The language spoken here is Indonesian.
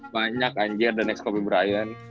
banyak anjir the next kobe bryant